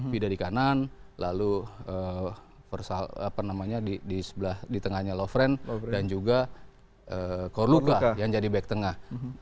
vida di kanan lalu di tengahnya lovren dan juga kourlouka yang jadi back tengah